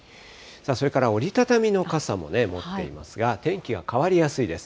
それから折り畳みの傘も持っていますが、天気は変わりやすいです。